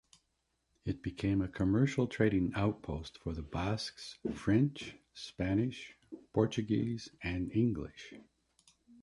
It became a commercial trading outpost for the Basques, French, Spanish, Portuguese, and English.